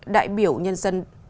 đại biểu nhân dân